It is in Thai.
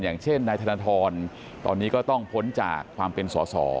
อย่างเช่นนายธนทรตอนนี้ก็ต้องพ้นจากความเป็นสอสอ